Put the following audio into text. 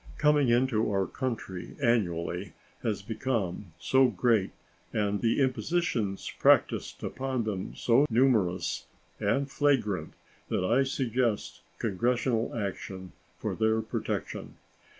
coming into our country annually has become so great and the impositions practiced upon them so numerous and flagrant that I suggest Congressional action for their protection.